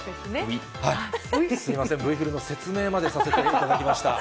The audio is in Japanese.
すみません、Ｖ振りの説明までさせていただきました。